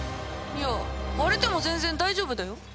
いや割れても全然大丈夫だよ！